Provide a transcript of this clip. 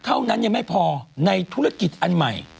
เท่านั้นยังไม่พอในธุรกิจอันใหม่